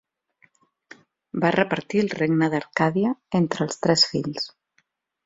Va repartir el regne d'Arcàdia entre els tres fills.